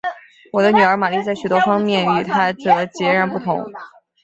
我的女儿玛丽在许多方面与她则截然不同。